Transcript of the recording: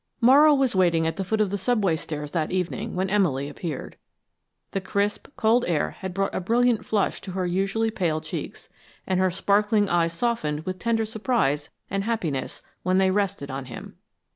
Morrow was waiting at the foot of the subway stairs that evening when Emily appeared. The crisp, cold air had brought a brilliant flush to her usually pale cheeks, and her sparkling eyes softened with tender surprise and happiness when they rested on him.